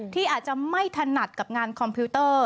ที่อาจจะไม่ถนัดกับงานคอมพิวเตอร์